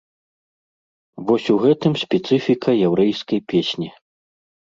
Вось у гэтым спецыфіка яўрэйскай песні.